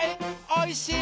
おいしい